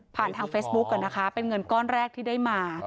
ผ่านทางเฟซบุ๊กก่อนนะคะเป็นเงินก้อนแรกที่ได้มา